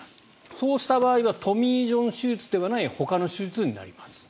そうした場合はトミー・ジョン手術ではないほかの手術になります。